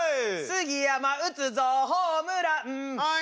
杉山打つぞホームランあい。